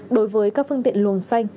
đối với các phương tiện luồng xanh